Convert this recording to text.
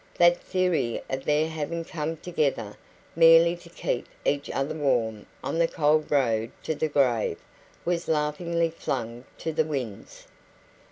That theory of their having come together merely to keep each other warm on the cold road to the grave was laughingly flung to the winds.